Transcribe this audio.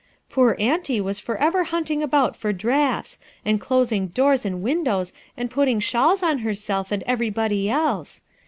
Poor auntie was forever hunting about for draughts, and closing doors and win dows and putting shawls on herself and every body else.